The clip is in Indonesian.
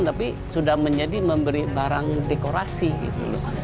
tapi sudah menjadi memberi barang dekorasi gitu loh